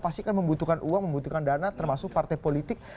pasti kan membutuhkan uang membutuhkan dana termasuk partai politik